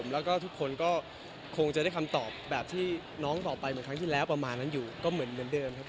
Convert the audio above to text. และทุกคนก็คงจะได้คำตอบครั้งมายไงค่ะ